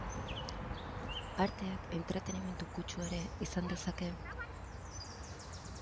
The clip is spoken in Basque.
Arteak entretenimendu kutsua ere izan dezake?